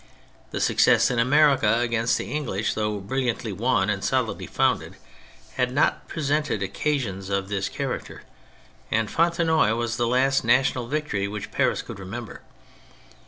The success in America against the English, though brilliantly won and solidly founded, had not presented occasions of this character, and Fontenoy was the last national victory which Paris could remember.